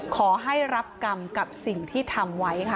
ขอให้รับกรรมกับสิ่งที่ทำไว้ค่ะ